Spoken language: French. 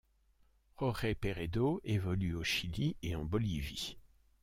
Jorge Peredo évolue au Chili et en Bolivie.